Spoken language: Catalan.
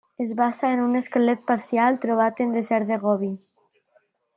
Es basa en un esquelet parcial trobat en Desert de Gobi.